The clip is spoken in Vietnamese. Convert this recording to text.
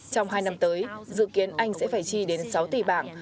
trong hai năm tới dự kiến anh sẽ phải chi đến sáu tỷ bảng